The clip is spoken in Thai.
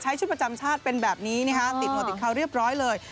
ใช้ชุดประจำชาติเป็นแบบนี้เนี่ยฮะติดหมดอีกคราวเรียบร้อยเลย